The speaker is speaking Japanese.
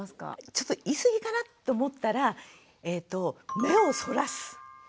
ちょっと言い過ぎかなと思ったら目をそらす。